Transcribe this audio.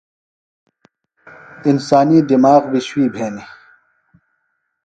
انسانی دِماغ بیۡ شُوئی بھینیۡ۔